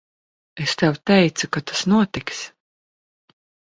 Es tev teicu, ka tas notiks.